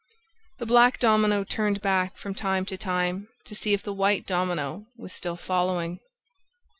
The black domino turned back from time to time to see if the white domino was still following.